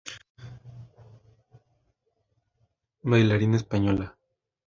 Bailarina española